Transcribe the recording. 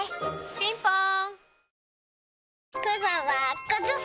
ピンポーン